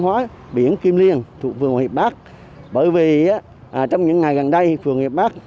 hóa biển kim liên thuộc phường hiệp bắc bởi vì trong những ngày gần đây phường hiệp bắc